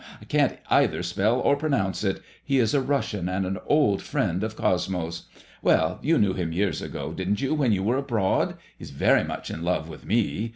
I can't either spell or pronounce it. He is a Russian and an old friend of Cosmo's Well, you knew him years ago, didn't you, when you were abroad ? He is very much in love with me.